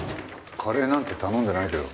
カレーなんて頼んでないけど。